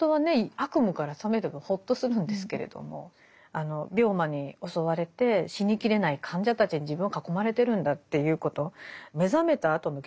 悪夢から覚めればほっとするんですけれども病魔に襲われて死にきれない患者たちに自分は囲まれてるんだっていうこと。